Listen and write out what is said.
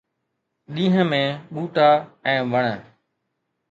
ڏينهن ۾ ٻوٽا ۽ وڻ